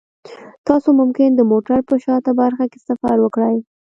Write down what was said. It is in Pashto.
تاسو ممکن د موټر په شاته برخه کې سفر وکړئ